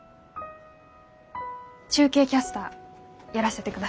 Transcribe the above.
中継キャスターやらせてください。